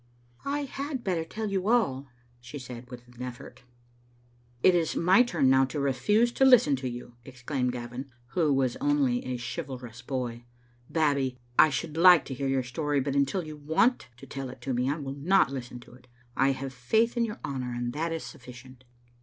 " I had better tell you all," she said, with an eflFort "It is my turn now to refuse to listen to you," ex claimed Gavin, who was only a chivalrous boy. " Bab bie, I should like to hear your story, but until you want to tell it to me I will not listen to it. I have faith in your honour, and that is sufficient."